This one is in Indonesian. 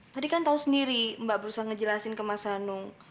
tadi kan tahu sendiri mbak berusaha ngejelasin ke mas hanung